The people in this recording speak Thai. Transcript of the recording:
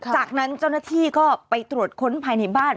จากนั้นเจ้าหน้าที่ก็ไปตรวจค้นภายในบ้าน